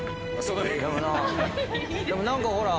でも何かほらっ